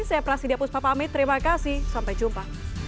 saya prasidya puspa pamit terima kasih sampai jumpa